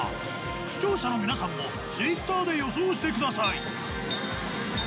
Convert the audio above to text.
視聴者の皆さんもＴｗｉｔｔｅｒで予想してください